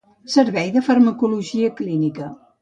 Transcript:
Servei de Farmacologia Clínica.